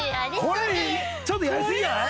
これちょっとやりすぎじゃない？